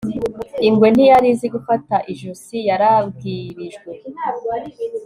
ingwe ntiyari izi gufata ijosi yarabwirijwe